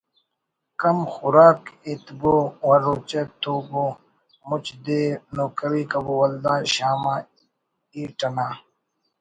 کم خوراک ایتبو و روچہ توبو مچ دے نوکری کبو ولدا شام آ ہیٹ انا